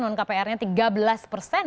non kprnya tiga belas persen